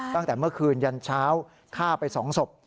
ตั้งแต่เมื่อคืนยันเช้าฆ่าไป๒ศพ